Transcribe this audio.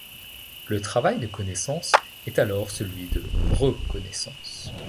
Le travail de connaissance est alors celui de re-connaissance.